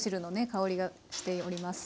香りがしております